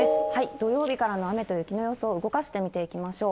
土曜日からの雨と雪の予想、動かして見ていきましょう。